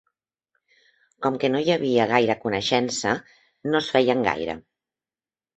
Com que no hi havia gaire coneixença, no es feien gaire.